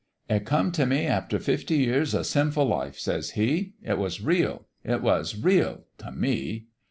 "'It come t' me after fifty years o' sinful life,' says he. ' It was real it was real t' me.'